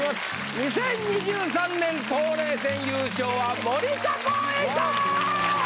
２０２３年冬麗戦優勝は森迫永依さん！